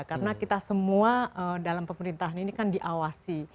karena kita semua dalam pemerintahan ini kan diawasi